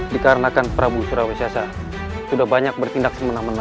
dikarenakan prabu surawi s s sudah banyak bertindak semena mena